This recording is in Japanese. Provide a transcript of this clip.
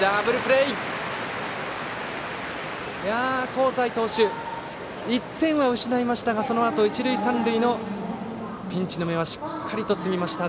香西投手、１点は失いましたがそのあと一塁三塁のピンチの芽はしっかり摘みました。